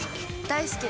大好き。